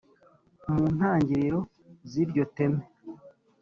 mu ntangiriro z’iryo teme